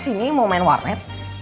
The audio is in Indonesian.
ini mau main warnet